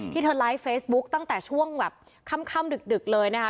เธอไลฟ์เฟซบุ๊คตั้งแต่ช่วงแบบค่ำดึกเลยนะคะ